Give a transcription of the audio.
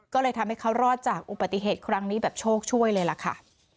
ก็เลยทำให้เขารอดจากอุบัติเหตุครั้งนี้แบบโชคช่วยเลยล่ะค่ะ